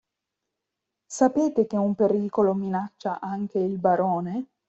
Sapete che un pericolo minaccia anche il barone?